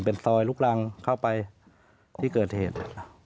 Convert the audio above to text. เป็นซอยลุกรังเข้าไปที่เกิดเหตุ